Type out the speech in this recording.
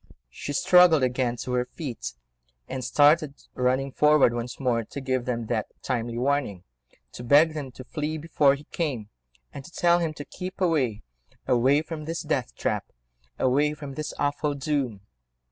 She struggled again to her feet, and started running forward once more to give them that timely warning, to beg them to flee before he came, and to tell him to keep away—away from this death trap—away from this awful doom.